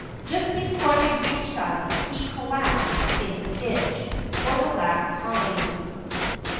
Just before they reached us he collapsed in the ditch — for the last time.